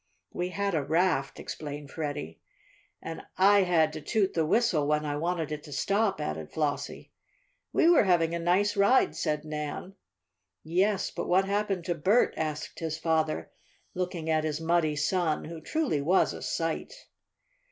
"We had a raft," explained Freddie. "And I had to toot the whistle when I wanted it to stop," added Flossie. "We were having a nice ride," said Nan. "Yes, but what happened to Bert?" asked his father, looking at his muddy son, who truly was a "sight."